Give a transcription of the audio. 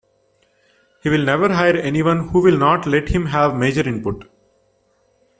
He will never hire anyone who will not let him have major input.